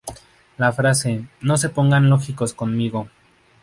La frase "¡No se pongan lógicos conmigo!